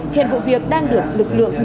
hiện vụ việc đang được lực lượng nhiều